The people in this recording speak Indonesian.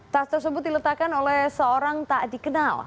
tas tersebut diletakkan oleh seorang tak dikenal